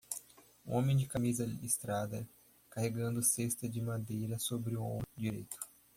homem de camisa listrada carregando cesta de madeira sobre o ombro direito